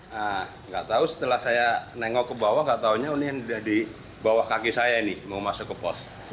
nah nggak tahu setelah saya nengok ke bawah gak taunya ini di bawah kaki saya ini mau masuk ke pos